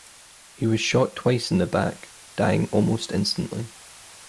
He was shot twice in the back, dying almost instantly.